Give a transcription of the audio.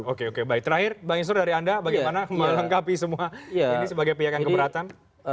oke oke baik terakhir bang isnur dari anda bagaimana melengkapi semua ini sebagai pihak yang keberatan